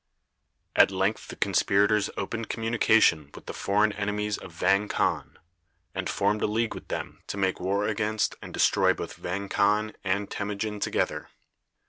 At length the conspirators opened communication with the foreign enemies of Vang Khan, and formed a league with them to make war against and destroy both Vang Khan and Temujin together.